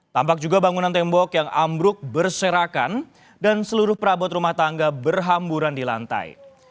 tampak juga bangunan tembok yang ambruk berserakan dan seluruh perabot rumah tangga berhamburan di lantai